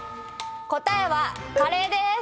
答えはカレーです。